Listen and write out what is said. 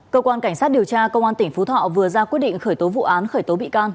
cơ quan cảnh sát điều tra công an tỉnh phú thọ vừa ra quyết định khởi tố vụ án khởi tố bị can